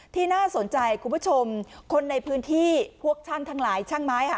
น่าสนใจคุณผู้ชมคนในพื้นที่พวกช่างทั้งหลายช่างไม้ค่ะ